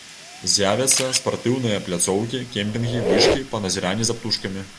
З'явяцца спартыўныя пляцоўкі, кемпінгі, вышкі па назіранні за птушкамі.